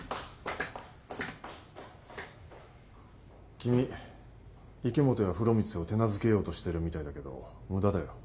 君池本や風呂光を手なずけようとしてるみたいだけど無駄だよ。